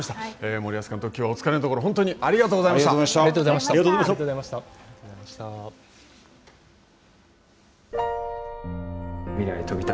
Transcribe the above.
森保監督、今日はお疲れのところ、本当にありがとうございました。